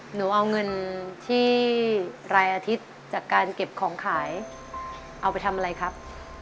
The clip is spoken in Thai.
หนูเอาเงินที่รายอาทิตย์จากการเก็บของขายเอาไปทำอะไรครับ